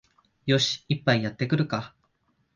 よし、一杯やってくるか